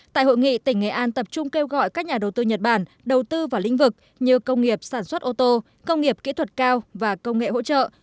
tại hội nghị tỉnh nghệ an tập trung kêu gọi các nhà đầu tư nhật bản đầu tư vào lĩnh vực như công nghiệp sản xuất ô tô công nghiệp kỹ thuật cao và công nghệ hỗ trợ